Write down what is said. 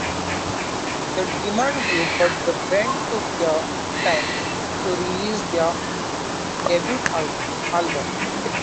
The demand grew, but the band took their time to release their debut album.